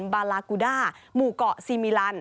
บาลากูด้าหมู่เกาะซีมิลัน